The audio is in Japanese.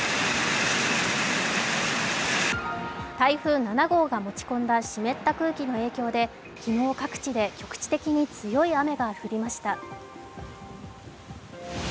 台風７号が持ち込んだ湿った空気の影響で、昨日、各地で局地的に強い雨が降りました。